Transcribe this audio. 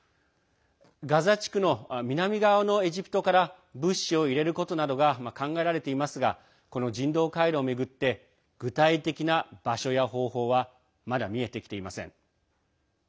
ガザ地区の南側のエジプトから物資を入れることなどが考えられていますがこの人道回廊を巡って具体的な場所や方法はまだ見えてきていません。